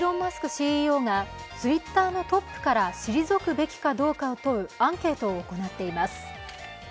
ＣＥＯがＴｗｉｔｔｅｒのトップから退くべきかどうかを問うアンケートを行っています。